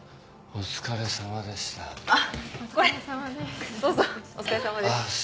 お疲れさまです。